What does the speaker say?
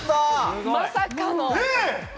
まさかの！